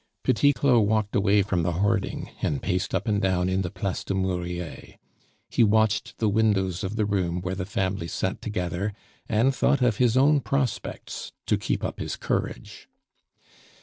Petit Claud walked away from the hoarding, and paced up and down in the Place du Murier; he watched the windows of the room where the family sat together, and thought of his own prospects to keep up his courage.